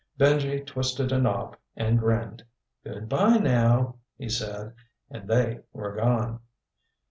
Benji twisted a knob and grinned. "Good by now," he said. And they were gone.